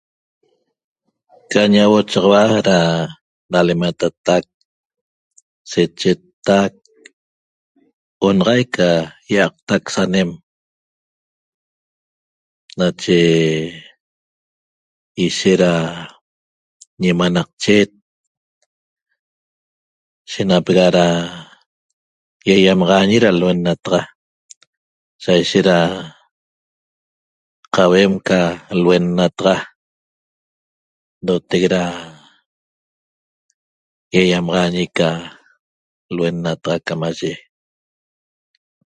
Ca ñauochaxaua da dalematatac sechettac onaxaic ca ýi'aqtac sanem nache ishet da ñimanaqchet shenapega da ýaýamaxaañi da luennataxa saishet da qauem ca luennataxa ndotec da ýaýamaxaañi ca luennataxa camaye